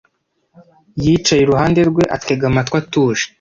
Yicaye iruhande rwe, atega amatwi atuje.